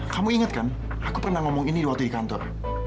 kamu ingat kan aku pernah ngomong ini waktu di kantor